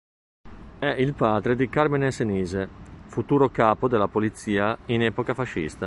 È il padre di Carmine Senise, futuro capo della polizia in epoca fascista.